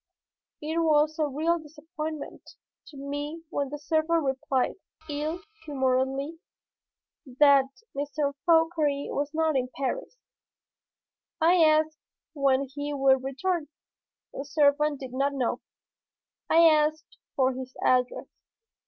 It was a real disappointment to me when the servant replied, ill humoredly, that M. Fauchery was not in Paris. I asked when he would return. The servant did not know. I asked for his address.